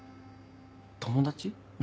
友達？